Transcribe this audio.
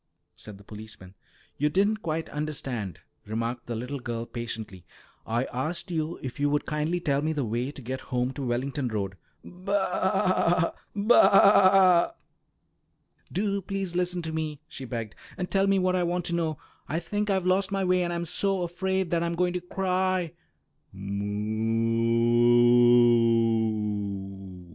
"Miaow!" said the policeman. "You didn't quite understand," remarked the little girl patiently. "I asked you if you would kindly tell me the way to get home to Wellington Road." "Ba, ba!" "Do please listen to me," she begged, "and tell me what I want to know. I think I've lost my way, and I'm so afraid that I'm going to cry."